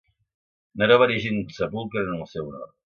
Neró va erigir un sepulcre en el seu honor.